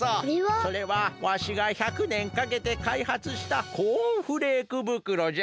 それはわしが１００ねんかけてかいはつしたコーンフレークぶくろじゃ。